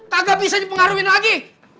kagak bisa dipengaruhin lagi